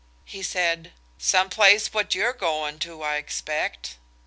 He said– "Same place wot you're going to I expect."